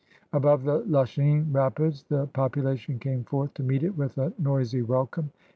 Above the Lachine Rapids the poptdation came forth to meet it with a noisy welcome.